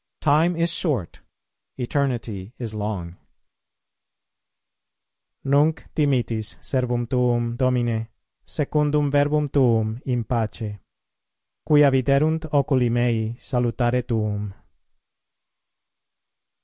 Time is short, eternity is long. NUNC DIMITTIS SERVUM TUUM, DOMINE, SECUNDUM VERBUM TUUM IN PACE: QUIA VIDERUNT OCULI MEI SALUTARE TUUM.